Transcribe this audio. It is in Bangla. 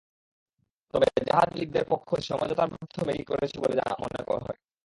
তবে জাহাজ মালিকদের পক্ষ সমঝোতার মাধ্যমে এটি করছে বলে মনে হয়।